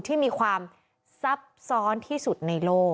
ที่มีความซับซ้อนที่สุดในโลก